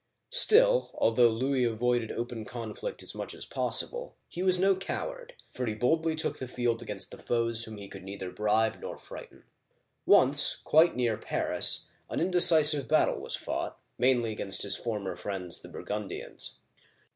Still, although Louis avoided open conflict as much as possible, he was no coward, for he boldly took the field against the foes whom he could neither bribe nor frighten. Once, quite near Paris an indecisive battle was fought, mainly against his former friends, the Burgundians.